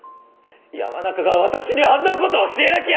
山中が私にあんな事教えなきゃ！